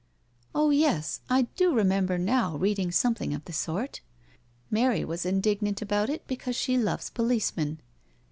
'*" Oh y^s, I do remember now reading something of the sort. Mary was indignant about it because she loves policemen."